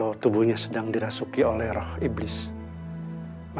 adalah ket cheg dapat bisa membuat lemah istri kita